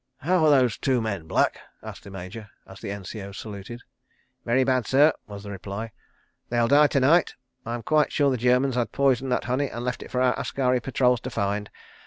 "How are those two men, Black?" asked the Major, as the N.C.O. saluted. "Very bad, sir," was the reply. "They'll die to night. I'm quite sure the Germans had poisoned that honey and left it for our askari patrols to find.